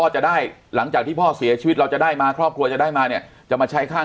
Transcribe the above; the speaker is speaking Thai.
จะได้หลังจากที่พ่อเสียชีวิตเราจะได้มาครอบครัวจะได้มาเนี่ยจะมาใช้ค่า